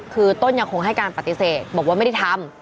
คือต้นยังคงให้การปฏิเสธบอกว่าไม่ได้ทำ